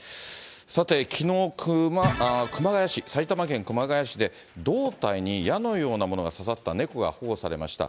さて、きのう、熊谷市、埼玉県熊谷市で、胴体に矢のようなものが刺さった猫が保護されました。